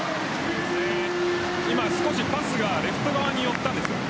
今パスがレフト側に寄ったんです。